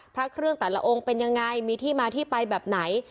พระเครื่องแต่ละองค์เป็นยังไงมีที่มาที่ไปแบบไหน